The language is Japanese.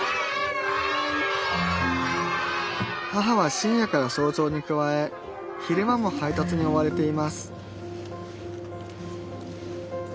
母は深夜から早朝に加え昼間も配達に追われています